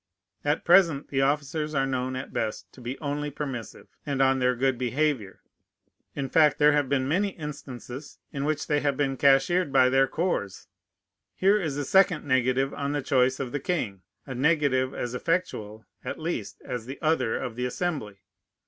At present the officers are known at best to be only permissive, and on their good behavior. In fact, there have been many instances in which they have been cashiered by their corps. Here is a second negative on the choice of the king: a negative as effectual, at least, as the other of the Assembly.